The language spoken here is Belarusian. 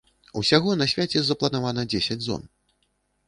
Усяго на свяце запланавана дзесяць зон.